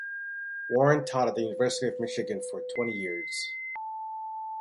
Warren taught at the University of Michigan for twenty years.